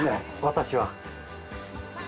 私は。